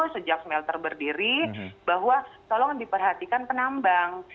sejak smelter berdiri bahwa tolong diperhatikan penambang